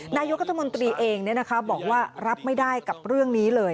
นายกรัฐมนตรีเองบอกว่ารับไม่ได้กับเรื่องนี้เลย